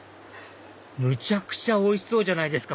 むちゃくちゃおいしそうじゃないですか